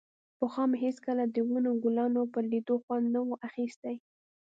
پخوا مې هېڅکله د ونو او ګلانو پر ليدو خوند نه و اخيستى.